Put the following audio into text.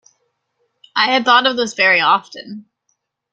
I had thought of this very often.